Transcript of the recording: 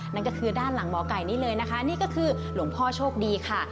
นั่นก็คือด้านหลังหมอไก่นี้เลยนะคะนี่ก็คือหลวงพ่อโชคดีค่ะ